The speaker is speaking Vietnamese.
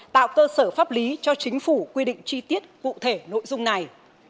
tạo cơ sở pháp lý cho chính phủ quy định chi tiết cụ thể nội dung này